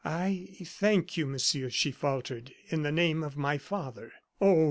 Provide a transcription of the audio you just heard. "I thank you, Monsieur," she faltered, "in the name of my father " "Oh!